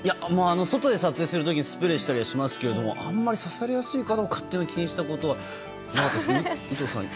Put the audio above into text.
外で撮影する時スプレーしたりしますけどあんまり刺されやすいかどうか気にしたことはないですね。